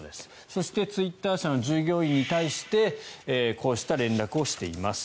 そして、ツイッター社の従業員に対してこうした連絡をしています。